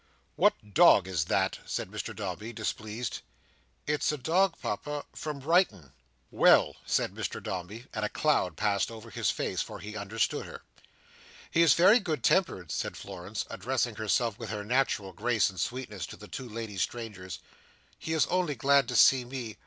"What dog is that?" said Mr Dombey, displeased. "It is a dog, Papa—from Brighton." "Well!" said Mr Dombey; and a cloud passed over his face, for he understood her. "He is very good tempered," said Florence, addressing herself with her natural grace and sweetness to the two lady strangers. "He is only glad to see me.